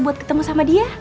buat ketemu sama dia